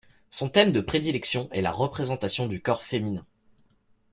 Son thème de prédilection est la représentation du corps féminin.